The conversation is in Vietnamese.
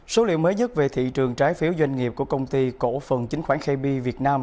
số liệu mới nhất về thị trường trái phiếu doanh nghiệp của công ty cổ phần chính khoản kb việt nam